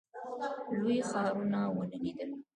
لوی ښارونه ونه لیدل.